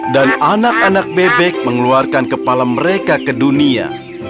dan anak anak bebek mengeluarkan kepala mereka ke dunia